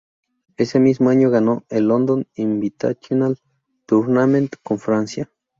Ese mismo año ganó el London Invitational Tournament con Francia.